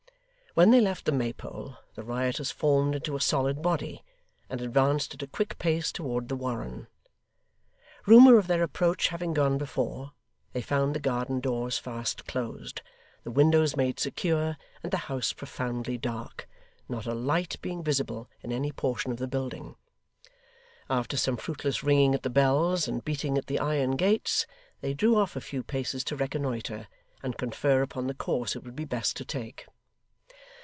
When they left the Maypole, the rioters formed into a solid body, and advanced at a quick pace towards the Warren. Rumour of their approach having gone before, they found the garden doors fast closed, the windows made secure, and the house profoundly dark: not a light being visible in any portion of the building. After some fruitless ringing at the bells, and beating at the iron gates, they drew off a few paces to reconnoitre, and confer upon the course it would be best to take.